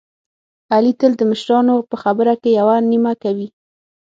علي تل د مشرانو په خبره کې یوه نیمه کوي.